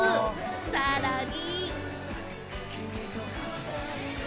さらに。